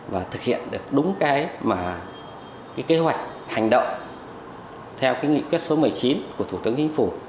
và thực hiện được đúng cái kế hoạch hành động theo cái nghị quyết số một mươi chín của thủ tướng chính phủ